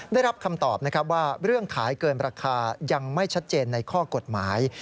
ได้รับคำตอบนะครับว่าเรื่องขายเกินราคายังไม่ชัดเจนในข้อกฎหมาย